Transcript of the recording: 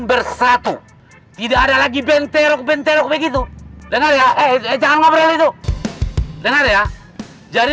bersatu tidak ada lagi benterok benterok begitu dengar ya eh jangan ngobrol itu dengar ya jadi